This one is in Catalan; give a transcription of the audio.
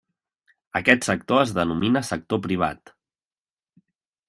Aquest sector es denomina sector privat.